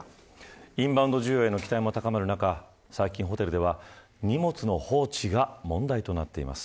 インバウンド需要への期待も高まる中、最近ホテルでは荷物の放置が問題となっています。